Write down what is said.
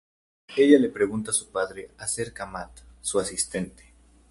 Ella le pregunta a su padre acerca Matt, su asistente.